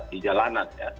di jalanan ya